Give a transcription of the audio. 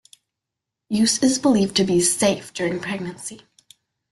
Use is believed to be safe during pregnancy.